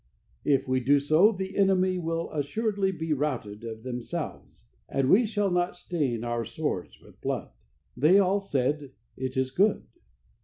If we do so, the enemy will assuredly be routed of themselves, and we shall not stain our swords with blood." They all said: "It is good."